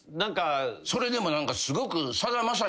それでもすごく。